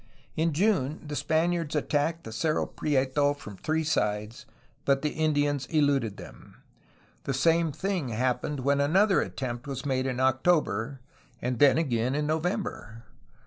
In June the Spaniards attacked the Cerro Prieto from three sides, but the Indians eluded them. The same thing hap pened when another attempt was made in October, and then again in November.